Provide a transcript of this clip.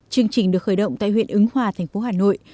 chương trình được khởi động tại huyện ứng hòa thành phố hà nội